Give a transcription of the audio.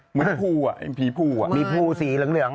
เหมือนภูอ่ะภีรภูอ่ะหมีภูสีเหลืองอ่ะ